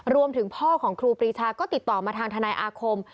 รวมถึงพ่อของครูปรีชาก็ติดต่อมาทางทนายอาคม